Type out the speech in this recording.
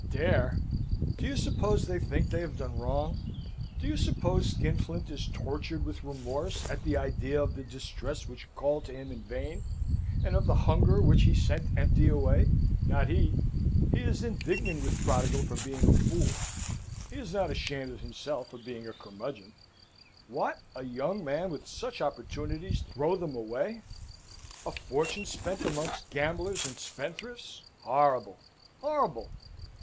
Dare? Do you suppose they think they have done wrong? Do you suppose Skinflint is tortured with remorse at the idea of the distress which called to him in vain, and of the hunger which he sent empty away? Not he. He is indignant with Prodigal for being a fool: he is not ashamed of himself for being a curmudgeon. What? a young man with such opportunities throw them away? A fortune spent amongst gamblers and spendthrifts? Horrible, horrible!